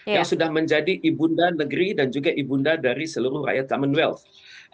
yang sudah menjadi ibunda negeri dan juga ibunda dari seluruh rakyat commonwealth